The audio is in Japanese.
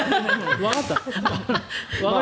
わかった。